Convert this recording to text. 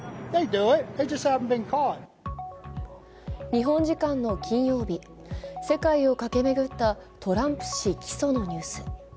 日本時間の金曜日世界を駆け巡ったトランプ氏、起訴のニュース。